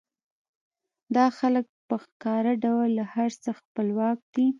دا خلک په ښکاره ډول له هر څه خپلواک دي